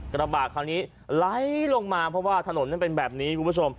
กระบาดคราวนี้ไล่ลงมาเพราะว่าถนนมันเป็นแบบนี้